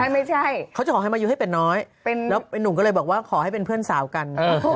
ไม่ใช่เขาจะขอให้มายูให้เป็นน้อยแล้วไอ้หนุ่มก็เลยบอกว่าขอให้เป็นเพื่อนสาวกัน